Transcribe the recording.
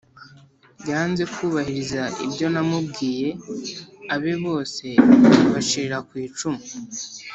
yanze kubahiriza ibyo namubwiye abe bose bashirira ku icumu.